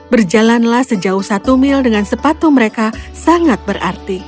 berjalanlah sejauh satu mil dengan sepatu mereka sangat berarti